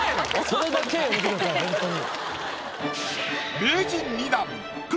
それだけはやめてくださいほんとに。